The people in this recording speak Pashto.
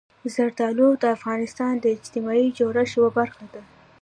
زردالو د افغانستان د اجتماعي جوړښت یوه برخه ده.